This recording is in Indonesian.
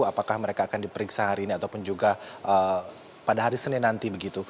apakah mereka akan diperiksa hari ini ataupun juga pada hari senin nanti begitu